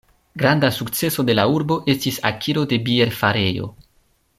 Granda sukceso de la urbo estis akiro de bierfarejo.